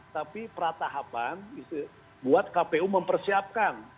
tapi pratahapan buat kpu mempersiapkan